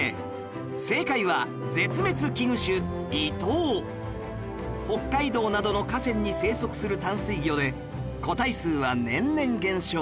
正解は絶滅危惧種イトウ北海道などの河川に生息する淡水魚で個体数は年々減少